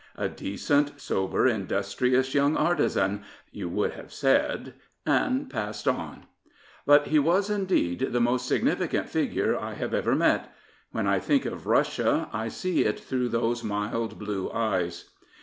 A decent, sober, industrious young artisan, you would have said, and passed on. But he was indeed the most significant figure I have ever met : when I think of Russia I see it through those mild blue eyes.